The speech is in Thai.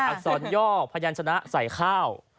อักษรย่อพยานชนะใส่ข้าว